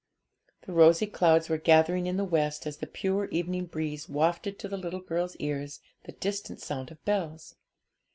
The rosy clouds were gathering in the west, as the pure evening breeze wafted to the little girl's ears the distant sound of bells.